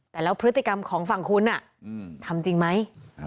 แต่แล้วพฤติกรรมของฝั่งคุณทำจริงไหม